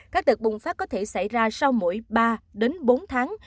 các đợt bùng phát có thể xảy ra sau mỗi ba đến bốn tháng